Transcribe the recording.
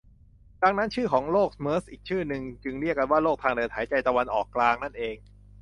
ดังนั้นชื่อของโรคเมอร์สอีกชื่อหนึ่งจึงเรียกกันว่า โรคทางเดินหายใจตะวันออกกลางนั่นเอง